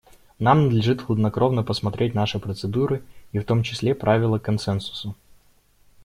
Нам надлежит хладнокровно посмотреть наши процедуры, и в том числе правило консенсуса.